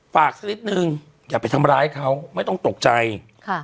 สักนิดนึงอย่าไปทำร้ายเขาไม่ต้องตกใจค่ะ